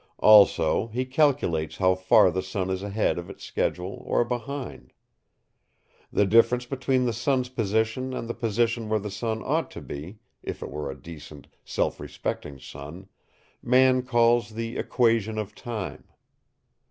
Also, he calculates how far the sun is ahead of its schedule or behind. The difference between the sun's position and the position where the sun ought to be if it were a decent, self respecting sun, man calls the Equation of Time.